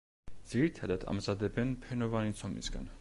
ძირითადად ამზადებენ ფენოვანი ცომისგან.